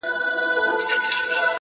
هره تجربه د ځان پېژندنې هنداره ده.